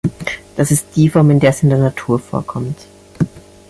Das ist die Form, in der es in der Natur vorkommt.